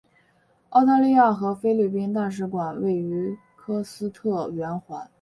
澳大利亚和菲律宾大使馆位于斯科特圆环。